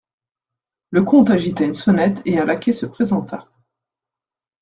Le comte agita une sonnette et un laquais se présenta.